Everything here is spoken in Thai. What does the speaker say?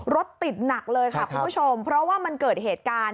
รถติดหนักเลยค่ะคุณผู้ชมเพราะว่ามันเกิดเหตุการณ์